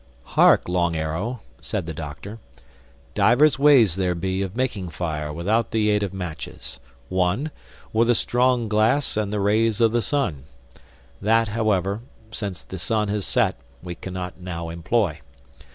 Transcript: "Hark, Long Arrow," said the Doctor: "divers ways there be of making fire without the aid of matches. One: with a strong glass and the rays of the sun. That however, since the sun has set, we cannot now employ.